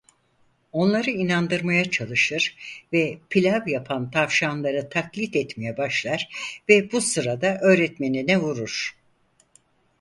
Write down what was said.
Onları inandırmaya çalışır ve pilav yapan tavşanları taklit etmeye başlar ve bu sırada öğretmenine vurur.